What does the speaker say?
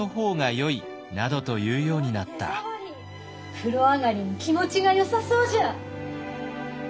風呂上がりに気持ちがよさそうじゃ。